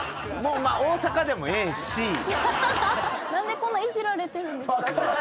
何でこんないじられてるんですか？